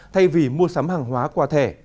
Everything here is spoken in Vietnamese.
thay vì mua sắm hàng hóa qua thẻ